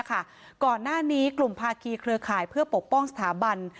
ก่อนหน้านี้กลุ่มภาคีเครือข่ายเพื่อปกป้องสถาบัน